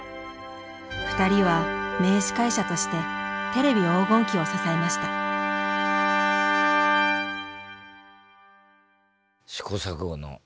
２人は名司会者としてテレビ黄金期を支えました試行錯誤の連続。